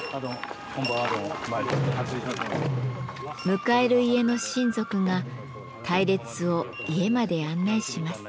迎える家の親族が隊列を家まで案内します。